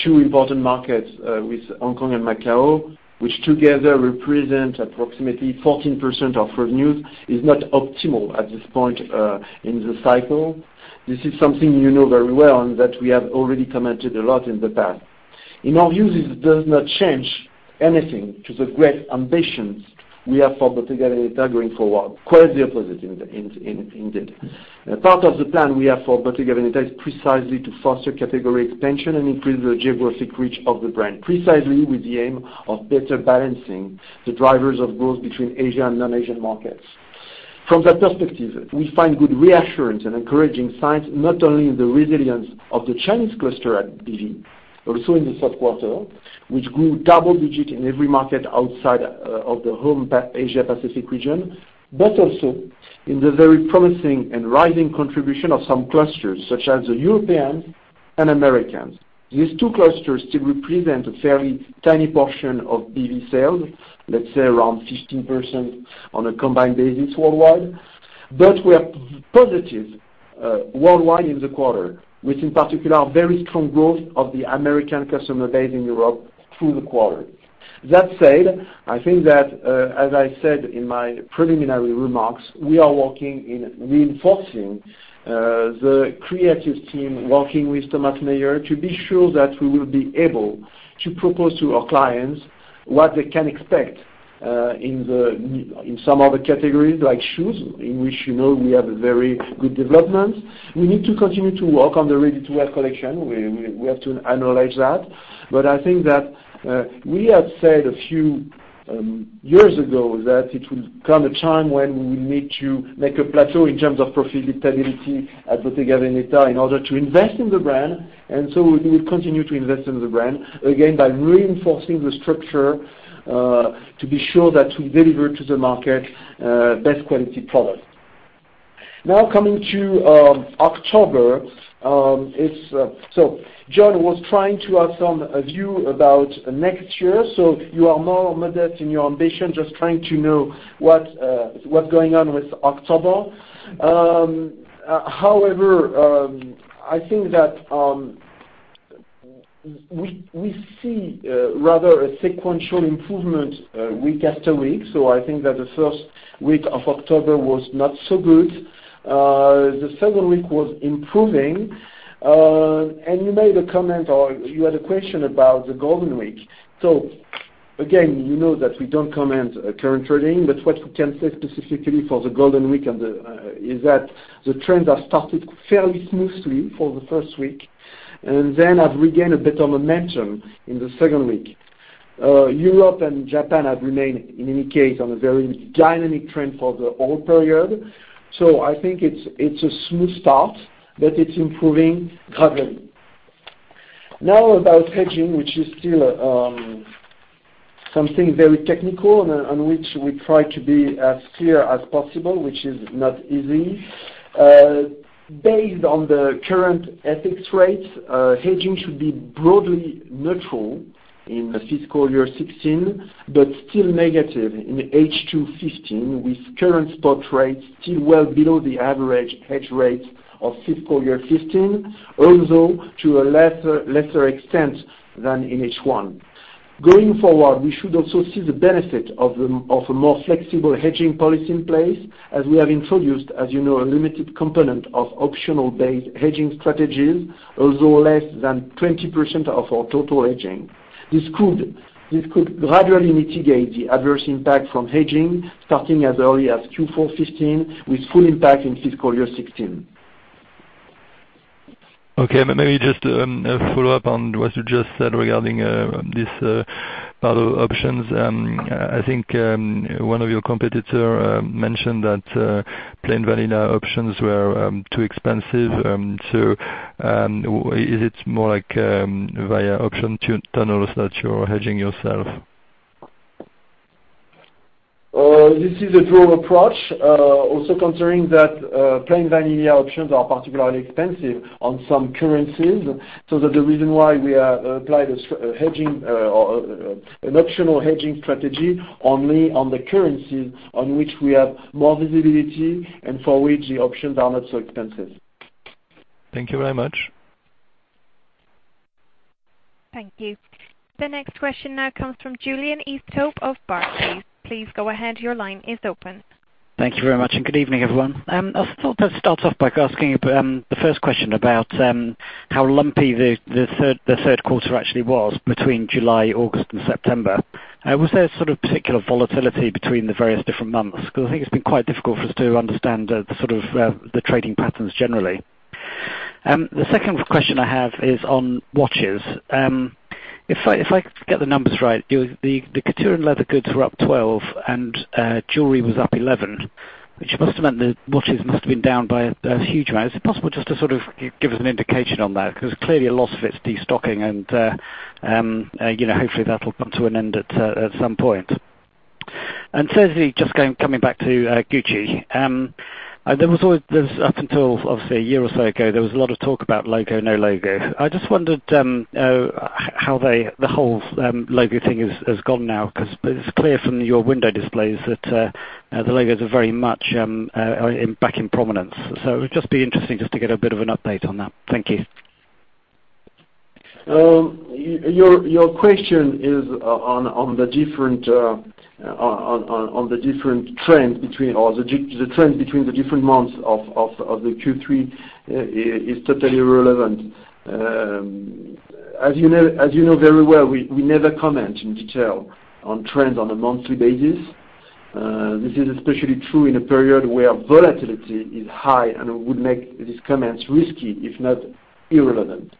two important markets with Hong Kong and Macau, which together represent approximately 14% of revenues, is not optimal at this point in the cycle. This is something you know very well and that we have already commented a lot in the past. In our views, it does not change anything to the great ambitions we have for Bottega Veneta going forward. Quite the opposite indeed. Part of the plan we have for Bottega Veneta is precisely to foster category expansion and increase the geographic reach of the brand, precisely with the aim of better balancing the drivers of growth between Asia and non-Asian markets. From that perspective, we find good reassurance and encouraging signs, not only in the resilience of the Chinese cluster at BV, also in the third quarter, which grew double digits in every market outside of the home Asia Pacific region. Also in the very promising and rising contribution of some clusters, such as the Europeans and Americans. These two clusters still represent a very tiny portion of BV sales, let's say around 15% on a combined basis worldwide. We are positive worldwide in the quarter, with in particular, very strong growth of the American customer base in Europe through the quarter. That said, I think that, as I said in my preliminary remarks, we are working in reinforcing the creative team, working with Tomas Maier, to be sure that we will be able to propose to our clients what they can expect in some of the categories like shoes, in which we have a very good development. We need to continue to work on the ready-to-wear collection. We have to analyze that. I think that we had said a few years ago that it would come a time when we will need to make a plateau in terms of profitability at Bottega Veneta in order to invest in the brand. We will continue to invest in the brand, again, by reinforcing the structure to be sure that we deliver to the market best quality product. Now coming to October. John was trying to have some view about next year. You are more modest in your ambition, just trying to know what's going on with October. However, I think that we see rather a sequential improvement week after week. I think that the first week of October was not so good. The second week was improving. You made a comment or you had a question about the Golden Week. Again, you know that we don't comment current trading, but what we can say specifically for the Golden Week is that the trends have started fairly smoothly for the first week, and then have regained a bit of momentum in the second week. Europe and Japan have remained, in any case, on a very dynamic trend for the whole period. I think it's a smooth start, but it's improving gradually. Now about hedging, which is still something very technical on which we try to be as clear as possible, which is not easy. Based on the current FX rates, hedging should be broadly neutral in fiscal year 2016, but still negative in H2 2015, with current spot rates still well below the average hedge rates of fiscal year 2015, although to a lesser extent than in H1. Going forward, we should also see the benefit of a more flexible hedging policy in place, as we have introduced, as you know, a limited component of optional-based hedging strategies, although less than 20% of our total hedging. This could gradually mitigate the adverse impact from hedging, starting as early as Q4 2015, with full impact in fiscal year 2016. Okay, maybe just a follow-up on what you just said regarding these other options. I think one of your competitor mentioned that plain vanilla options were too expensive. Is it more like via option tunnels that you're hedging yourself? This is a true approach. Also considering that plain vanilla options are particularly expensive on some currencies, so that the reason why we applied an optional hedging strategy only on the currencies on which we have more visibility and for which the options are not so expensive. Thank you very much. Thank you. The next question now comes from Julian Easthope of Barclays. Please go ahead. Your line is open. Thank you very much. Good evening, everyone. I thought I'd start off by asking the first question about how lumpy the third quarter actually was between July, August, and September. Was there a sort of particular volatility between the various different months? Because I think it's been quite difficult for us to understand the trading patterns generally. The second question I have is on watches. If I get the numbers right, the couture and leather goods were up 12% and jewelry was up 11%, which must have meant the watches must have been down by a huge amount. Is it possible just to sort of give us an indication on that? Because clearly a lot of it's destocking, and hopefully that'll come to an end at some point. Thirdly, just coming back to Gucci. Up until, obviously, one year or so ago, there was a lot of talk about logo, no logo. I just wondered how the whole logo thing has gone now, because it's clear from your window displays that the logos are very much back in prominence. It would just be interesting just to get a bit of an update on that. Thank you. Your question is on the different trends between the different months of the Q3 is totally irrelevant. As you know very well, we never comment in detail on trends on a monthly basis. This is especially true in a period where volatility is high and would make these comments risky, if not irrelevant.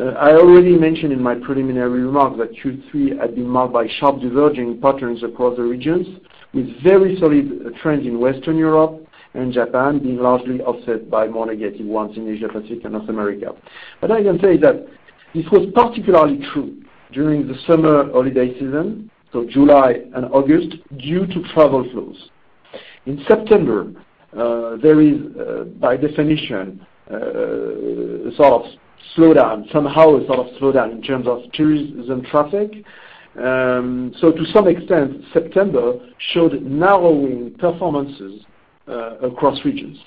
I already mentioned in my preliminary remarks that Q3 had been marked by sharp diverging patterns across the regions, with very solid trends in Western Europe and Japan being largely offset by more negative ones in Asia Pacific and North America. I can say that this was particularly true during the summer holiday season, July and August, due to travel slows. In September, there is, by definition, a sort of slowdown, somehow a sort of slowdown in terms of tourism traffic. To some extent, September showed narrowing performances across regions.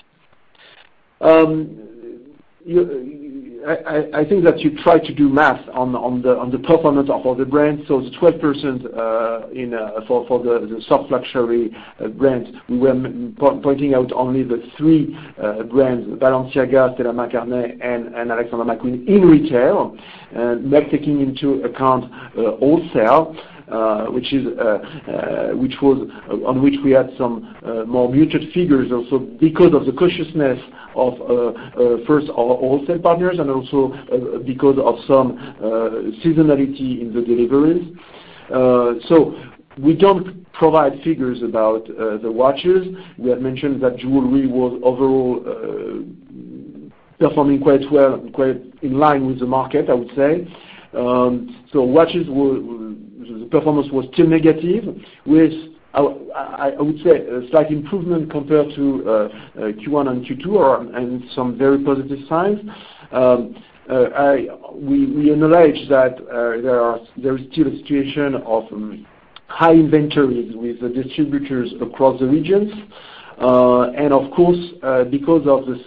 I think that you tried to do math on the performance of all the brands. It's 12% for the soft luxury brands. We were pointing out only the three brands, Balenciaga, Saint Laurent, and Alexander McQueen in retail, not taking into account wholesale, on which we had some more muted figures also because of the cautiousness of, first, our wholesale partners and also because of some seasonality in the deliveries. We don't provide figures about the watches. We had mentioned that jewelry was overall performing quite well, quite in line with the market, I would say. Watches, the performance was still negative, with, I would say, a slight improvement compared to Q1 and Q2, and some very positive signs. We acknowledge that there is still a situation of high inventories with the distributors across the regions. Of course, because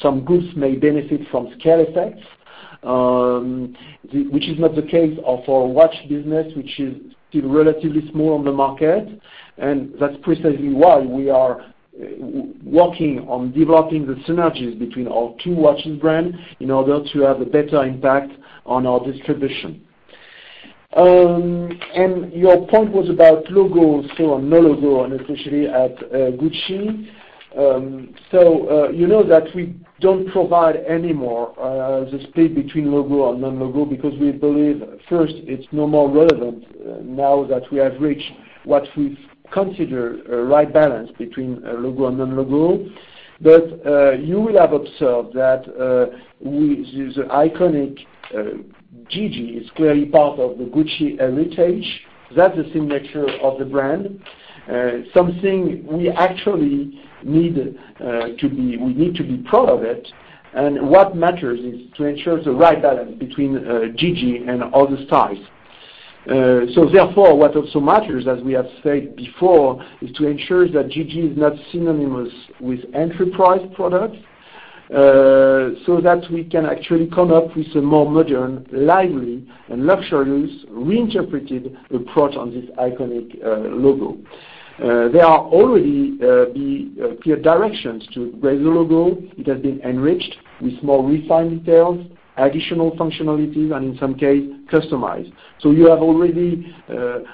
some goods may benefit from scale effects, which is not the case of our watch business, which is still relatively small on the market. That's precisely why we are working on developing the synergies between our two watches brand in order to have a better impact on our distribution. Your point was about logos or no logo, and especially at Gucci. You know that we don't provide any more the split between logo and non-logo because we believe, first, it's no more relevant now that we have reached what we consider a right balance between logo and non-logo. You will have observed that the iconic GG is clearly part of the Gucci heritage. That's the signature of the brand. Something we actually need to be proud of it. What matters is to ensure the right balance between GG and other styles. Therefore, what also matters, as we have said before, is to ensure that GG is not synonymous with entry-price products, that we can actually come up with a more modern, lively, and luxurious reinterpreted approach on this iconic logo. There are already clear directions to raise the logo. It has been enriched with more refined details, additional functionalities, and in some case, customized. You have already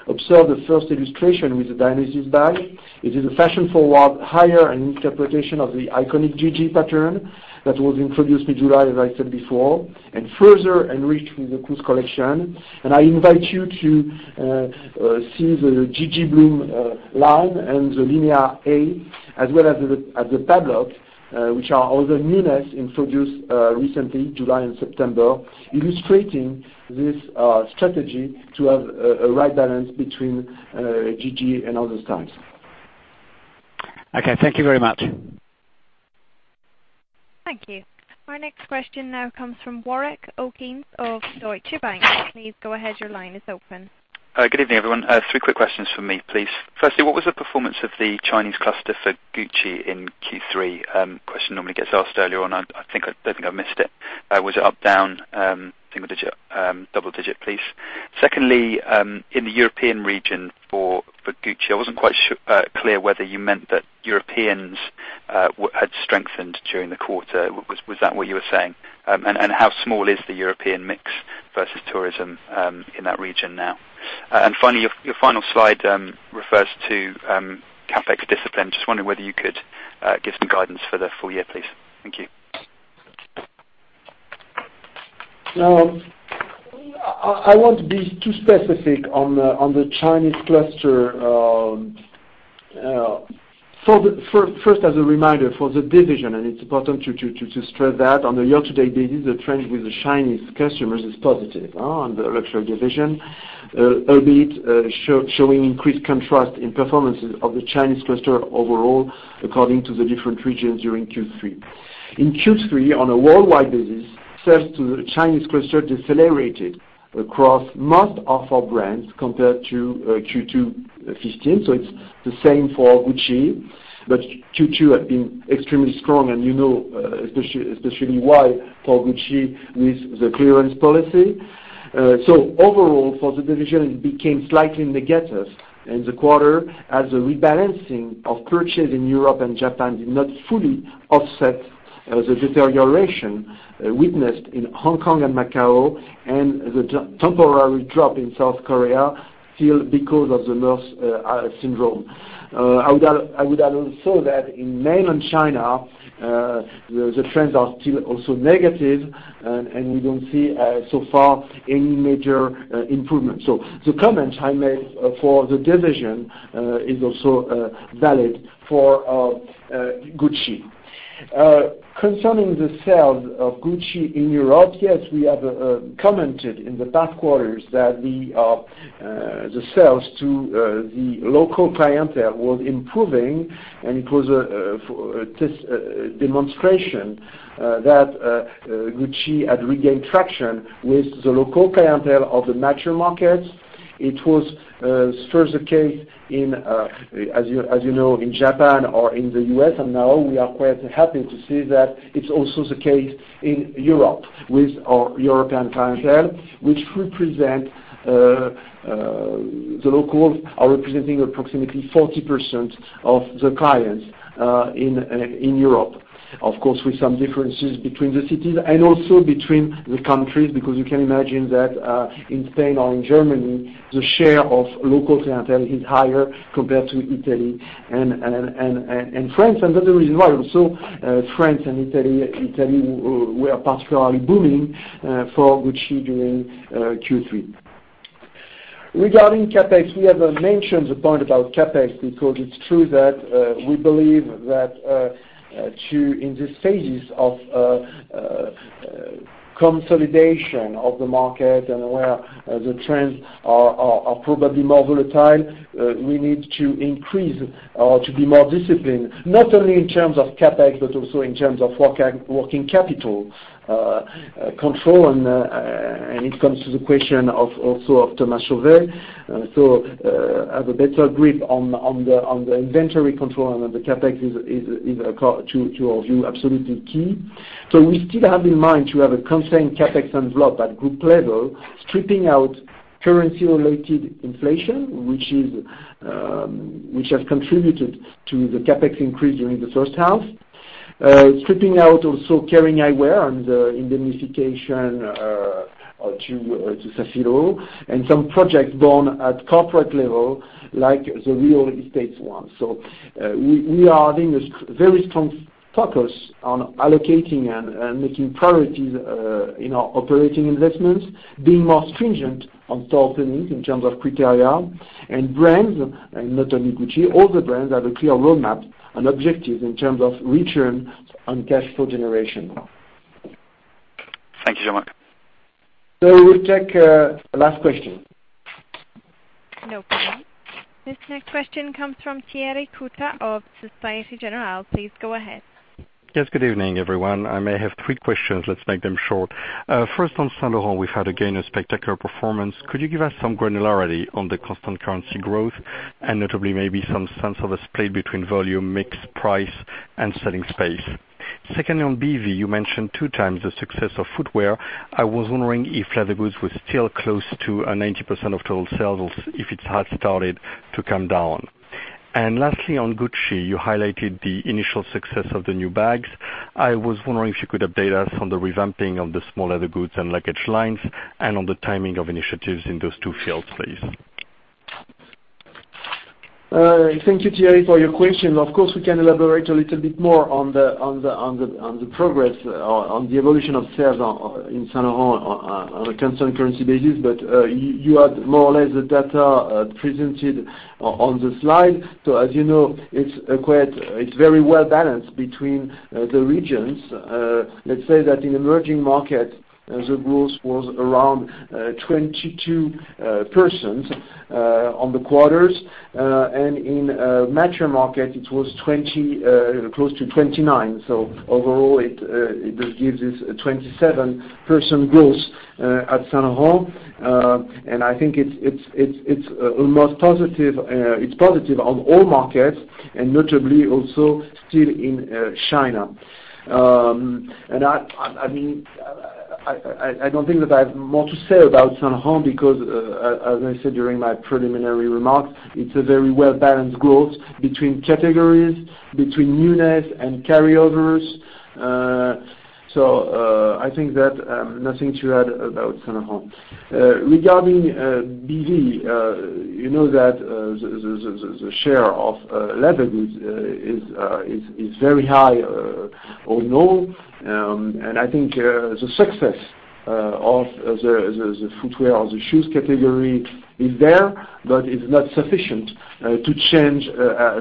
observed the first illustration with the Dionysus bag. It is a fashion-forward, higher interpretation of the iconic GG pattern that was introduced mid-July, as I said before, and further enriched with the cruise collection. I invite you to see the GG Blooms line and the Linea A, as well as the Padlock, which are all the newness introduced recently, July and September, illustrating this strategy to have a right balance between GG and other styles. Okay, thank you very much. Thank you. Our next question now comes from Warwick Okines of Deutsche Bank. Please go ahead, your line is open. Good evening, everyone. Three quick questions from me, please. Firstly, what was the performance of the Chinese cluster for Gucci in Q3? Question normally gets asked earlier on. I think I missed it. Was it up, down, single digit, double digit, please? Secondly, in the European region for Gucci, I wasn't quite clear whether you meant that Europeans had strengthened during the quarter. Was that what you were saying? How small is the European mix versus tourism in that region now? Finally, your final slide refers to CapEx discipline. Just wondering whether you could give some guidance for the full year, please. Thank you. I won't be too specific on the Chinese cluster. As a reminder for the division, it is important to stress that on a year-to-date basis, the trend with the Chinese customers is positive on the luxury division, albeit showing increased contrast in performances of the Chinese cluster overall according to the different regions during Q3. In Q3, on a worldwide basis, sales to the Chinese cluster decelerated across most of our brands compared to Q2 2015. It is the same for Gucci, Q2 had been extremely strong, you know especially why for Gucci with the clearance policy. Overall, for the division, it became slightly negative in the quarter as the rebalancing of purchases in Europe and Japan did not fully offset the deterioration witnessed in Hong Kong and Macau, the temporary drop in South Korea, still because of the MERS syndrome. In mainland China, the trends are still also negative, we don't see so far any major improvement. The comments I made for the division are also valid for Gucci. Concerning the sales of Gucci in Europe, we have commented in the past quarters that the sales to the local clientele were improving, it was a demonstration that Gucci had regained traction with the local clientele of the mature markets. It was first the case in, as you know, in Japan or in the U.S., now we are quite happy to see that it's also the case in Europe with our European clientele, which the locals are representing approximately 40% of the clients in Europe. With some differences between the cities and also between the countries, because you can imagine that in Spain or in Germany, the share of local clientele is higher compared to Italy and France. France and Italy, were particularly booming for Gucci during Q3. Regarding CapEx, we have mentioned the point about CapEx because it's true that we believe that in this phase of consolidation of the market where the trends are probably more volatile, we need to increase or to be more disciplined, not only in terms of CapEx, but also in terms of working capital control. It comes to the question also of Thomas Chauvet. Have a better grip on the inventory control the CapEx is, to our view, absolutely key. We still have in mind to have a contained CapEx envelope at group level, stripping out currency-related inflation, which has contributed to the CapEx increase during the first half. Stripping out also Kering Eyewear the indemnification to Safilo, some projects born at the corporate level, like the real estate one. We are having a very strong focus on allocating making priorities in our operating investments, being more stringent on store openings in terms of criteria, brands, not only Gucci, all the brands have a clear roadmap and objective in terms of return on cash flow generation. Thank you so much. We will take the last question. No problem. This next question comes from Thierry Cota of Société Générale. Please go ahead. Yes. Good evening, everyone. I may have three questions. Let's make them short. First, on Saint Laurent, we've had again, a spectacular performance. Could you give us some granularity on the constant currency growth and notably maybe some sense of a split between volume, mix, price, and selling space? Second, on BV, you mentioned two times the success of footwear. I was wondering if leather goods were still close to 90% of total sales or if it had started to come down. Lastly, on Gucci, you highlighted the initial success of the new bags. I was wondering if you could update us on the revamping of the small leather goods and luggage lines and on the timing of initiatives in those two fields, please. Thank you, Thierry, for your questions. Of course, we can elaborate a little bit more on the progress on the evolution of sales in Saint Laurent on a constant currency basis. You have more or less the data presented on the slide. As you know, it's very well-balanced between the regions. Let's say that in emerging markets, the growth was around 22% on the quarters, and in mature markets, it was close to 29%. Overall, it gives us a 27% growth at Saint Laurent. I think it's positive on all markets and notably also still in China. I don't think that I have more to say about Saint Laurent because, as I said during my preliminary remarks, it's a very well-balanced growth between categories, between newness and carryovers. I think that nothing to add about Saint Laurent. Regarding BV, you know that the share of leather goods is very high overall. I think the success of the footwear or the shoes category is there, but it's not sufficient to change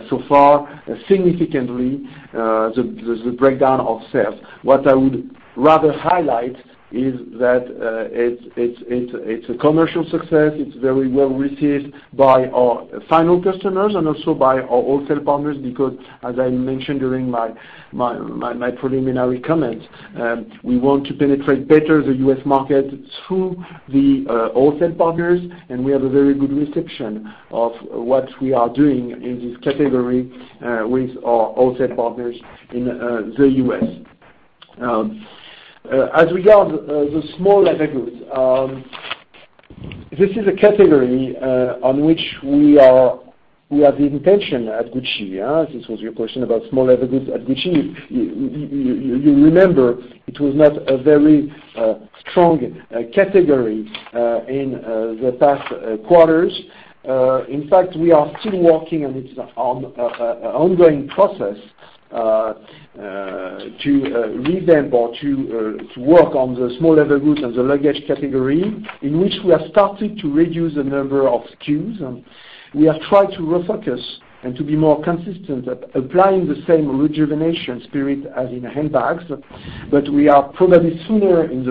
so far significantly the breakdown of sales. What I would rather highlight is that it's a commercial success. It's very well-received by our final customers and also by our wholesale partners, because as I mentioned during my preliminary comments, we want to penetrate better the U.S. market through the wholesale partners, and we have a very good reception of what we are doing in this category with our wholesale partners in the U.S. As regard the small leather goods, this is a category on which we have the intention at Gucci. This was your question about small leather goods at Gucci. You remember it was not a very strong category in the past quarters. In fact, we are still working, and it's an ongoing process, to revamp or to work on the small leather goods and the luggage category, in which we are starting to reduce the number of SKUs, and we are trying to refocus and to be more consistent at applying the same rejuvenation spirit as in handbags. We are probably sooner in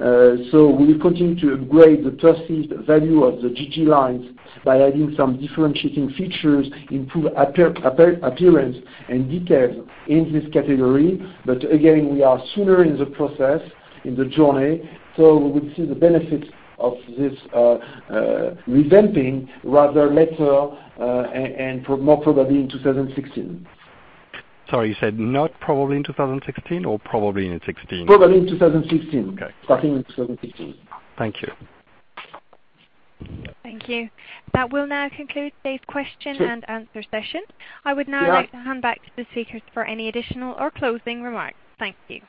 the process. We will continue to upgrade the perceived value of the GG lines by adding some differentiating features, improve appearance, and details in this category. Again, we are sooner in the process, in the journey, we will see the benefits of this revamping rather later and more probably in 2016. Sorry, you said not probably in 2016 or probably in 2016? Probably in 2016. Okay. Starting in 2016. Thank you. Thank you. That will now conclude today's question and answer session. I would now like to hand back to the speakers for any additional or closing remarks. Thank you.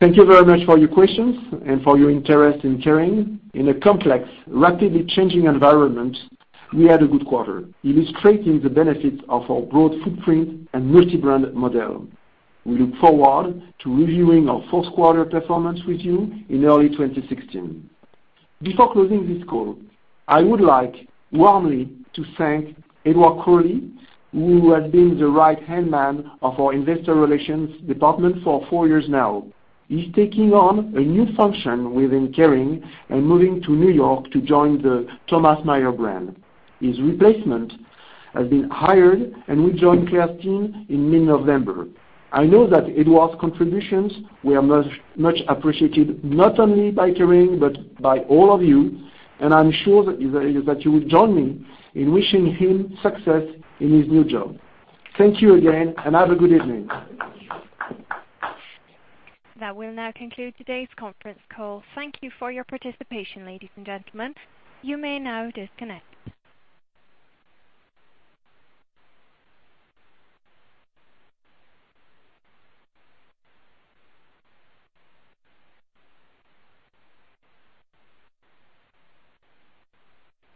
Thank you very much for your questions and for your interest in Kering. In a complex, rapidly changing environment, we had a good quarter, illustrating the benefits of our broad footprint and multi-brand model. We look forward to reviewing our fourth quarter performance with you in early 2016. Before closing this call, I would like warmly to thank Edouard Crowley, who has been the right-hand man of our investor relations department for four years now. He's taking on a new function within Kering and moving to New York to join the Tomas Maier brand. His replacement has been hired, and will join Claire's team in mid-November. I know that Edouard's contributions were much appreciated, not only by Kering but by all of you, and I'm sure that you will join me in wishing him success in his new job. Thank you again, and have a good evening. That will now conclude today's conference call. Thank you for your participation, ladies and gentlemen. You may now disconnect.